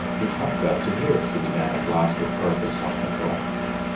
"You have got to hear," he began at last, with perfect self control.